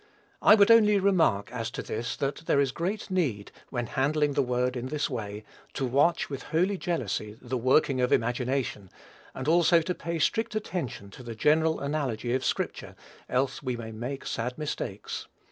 I would only remark, as to this, that there is great need, when handling the word in this way, to watch, with holy jealousy, the working of imagination; and also to pay strict attention to the general analogy of scripture, else we may make sad mistakes.